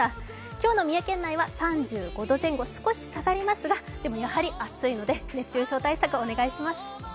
今日の三重県内は３５度前後少し下がりますが、でも、やはり暑いので熱中症対策お願いします。